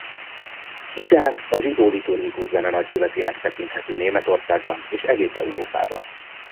Izsák a zsidó liturgikus zene nagykövetének tekinthető Németországban és egész Európában.